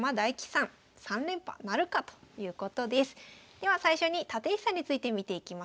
では最初に立石さんについて見ていきましょう。